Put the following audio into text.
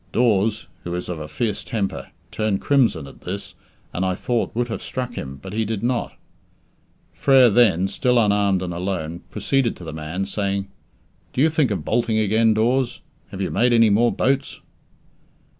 Dawes who is of a fierce temper turned crimson at this and, I thought, would have struck him, but he did not. Frere then still unarmed and alone proceeded to the man, saying, "Do you think of bolting again, Dawes? Have you made any more boats?"